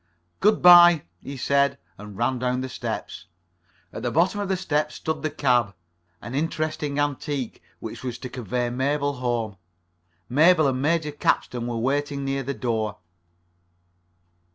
"Good by," he said, and ran down the steps. At the bottom of the steps stood the cab, an interesting antique, which was to convey Mabel home. Mabel and Major Capstan were waiting near the door.